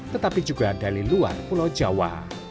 tetapi juga dari luar pulau jawa